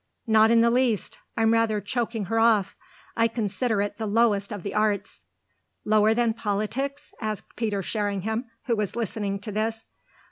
"Not in the least I'm rather choking her off. I consider it the lowest of the arts." "Lower than politics?" asked Peter Sherringham, who was listening to this.